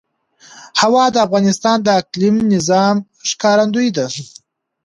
هوا د افغانستان د اقلیمي نظام ښکارندوی ده.